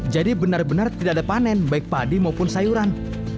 jadi benar benar tidak ada panen baik padi maupun sayuran